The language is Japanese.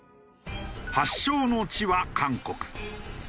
発祥の地は韓国。